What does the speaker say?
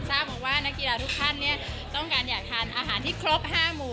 ทราบมาว่านักกีฬาทุกท่านต้องการอยากทานอาหารที่ครบ๕หมู่